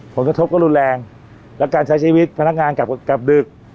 ผลกระทบก็รุนแรงแล้วการใช้ชีวิตพนักงานกลับกลับดึก